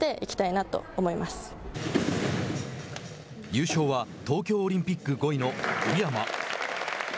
優勝は東京オリンピック５位の宇山。